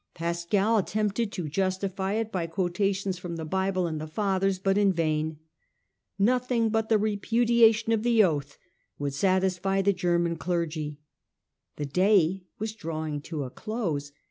Pascal attempted to justify it by quotations from the Bible and the Fathers, but in vain. Nothing but the repudiation of the oath would satisfy the German clergy. The day was drawing to a close.